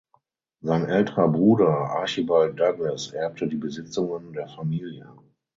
Sein älterer Bruder "Archibald Douglas" erbte die Besitzungen der Familie.